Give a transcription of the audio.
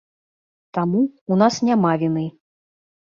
Таму, у нас няма віны.